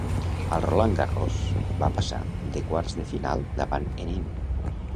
Al Roland Garros va passar de quarts de final davant Henin.